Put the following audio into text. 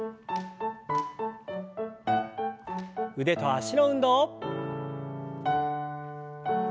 腕と脚の運動。